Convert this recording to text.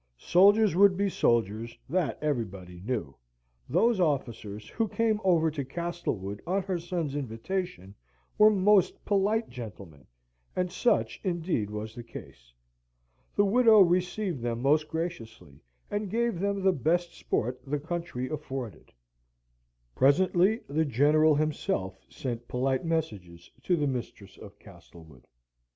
Soldiers would be soldiers, that everybody knew; those officers who came over to Castlewood on her son's invitation were most polite gentlemen, and such indeed was the case. The widow received them most graciously, and gave them the best sport the country afforded. Presently, the General himself sent polite messages to the mistress of Castlewood.